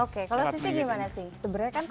kalau sissy gimana sih